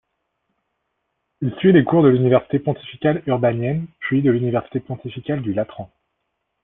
Il suit les cours de l'Université pontificale urbanienne puis de l'Université pontificale du Latran.